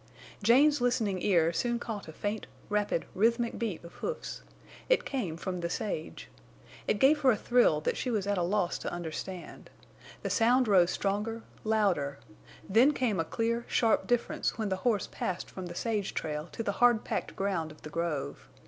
Jane's listening ear soon caught a faint, rapid, rhythmic beat of hoofs. It came from the sage. It gave her a thrill that she was at a loss to understand. The sound rose stronger, louder. Then came a clear, sharp difference when the horse passed from the sage trail to the hard packed ground of the grove.